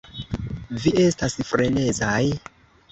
Vi estas frenezaj!